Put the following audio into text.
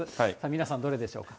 皆さんどれでしょうか。